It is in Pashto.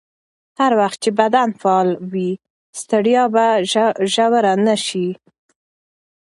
هر وخت چې بدن فعال وي، ستړیا به ژوره نه شي.